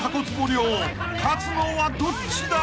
漁勝つのはどっちだ］